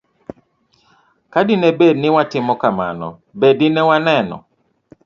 Ka dine bed ni watimo kamano, be dine waneno